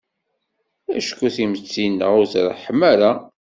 Acku timetti-nneɣ ur treḥḥem ara.